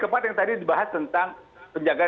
tepat yang tadi dibahas tentang penjagaan